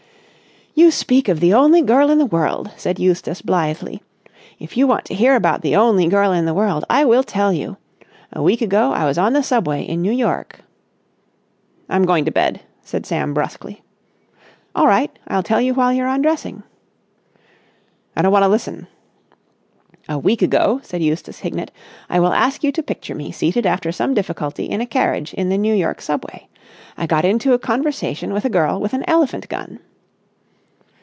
"You speak of the only girl in the world," said Eustace blithely. "If you want to hear about the only girl in the world, I will tell you. A week ago I was on the Subway in New York...." "I'm going to bed," said Sam brusquely. "All right. I'll tell you while you're undressing." "I don't want to listen." "A week ago," said Eustace Hignett, "I will ask you to picture me seated after some difficulty in a carriage in the New York Subway. I got into conversation with a girl with an elephant gun."